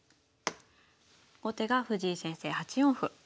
後手が藤井先生８四歩。